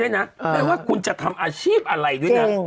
แล้วก็คิดว่าคุณจะทำอาชีพอะไรเนอะ